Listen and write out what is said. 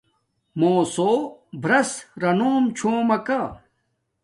مݸسݸ برَس رَنݸم چھݸمَکݳ.